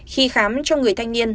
khi khám cho người thanh niên